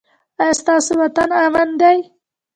ایا ستاسو وطن امن دی؟